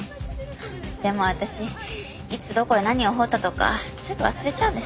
でも私いつどこで何を彫ったとかすぐ忘れちゃうんです。